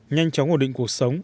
nhanh chóng ổn định cuộc sống